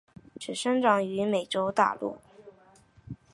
只生长于美洲大陆。